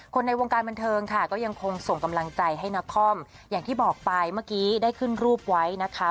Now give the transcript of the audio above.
ในวงการบันเทิงค่ะก็ยังคงส่งกำลังใจให้นครอย่างที่บอกไปเมื่อกี้ได้ขึ้นรูปไว้นะคะ